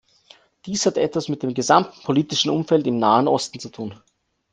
Dies hat etwas mit dem gesamten politischen Umfeld im Nahen Osten zu tun.